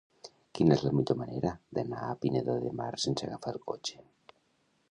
Quina és la millor manera d'anar a Pineda de Mar sense agafar el cotxe?